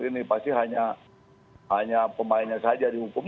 ini pasti hanya pemainnya saja dihukum